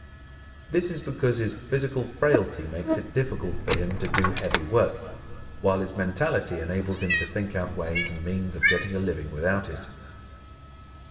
This is because his physical frailty makes it difficult for him to do heavy work, while his mentality enables him to think out ways and means of getting a living without it.